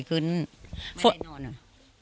ไม่ได้นอนอ่ะ